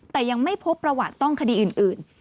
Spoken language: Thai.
แต่ยังไม่พบประวัติต้องคดีอื่น